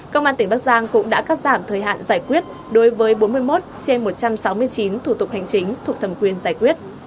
công an tỉnh bắc giang cũng đã cắt giảm thời hạn giải quyết đối với bốn mươi một trên một trăm sáu mươi chín thủ tục hành chính thuộc thẩm quyền giải quyết